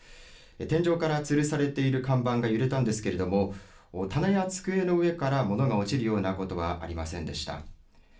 天井からつるされている看板が揺れたんですけれども棚や机の上から物が落ちるようなことはありませんでした。